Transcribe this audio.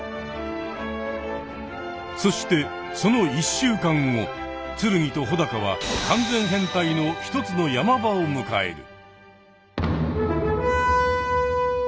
そしてその１週間後つるぎとほだかは完全変態の一つのヤマ場をむかえる。